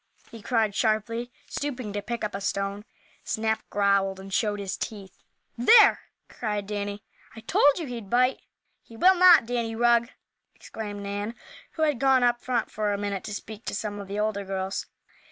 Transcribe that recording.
he cried, sharply, stooping to pick up a stone. Snap growled and showed his teeth. "There!" cried Danny. "I told you he'd bite." "He will not, Danny Rugg!" exclaimed Nan, who had gone up front for a minute to speak to some of the older girls.